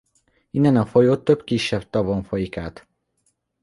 Innen a folyó több kisebb tavon folyik át.